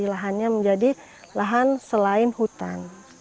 jadi lahan gambut itu menjadi lahan selain hutan